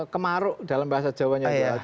kemaru dalam bahasa jawa